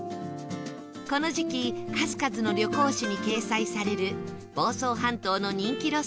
この時期数々の旅行誌に掲載される房総半島の人気